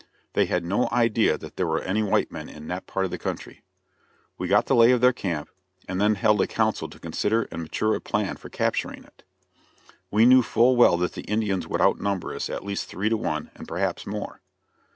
They had no idea that there were any white men in that part of the country. We got the lay of their camp, and then held a council to consider and mature a plan for capturing it. We knew full well that the Indians would outnumber us at least three to one, and perhaps more.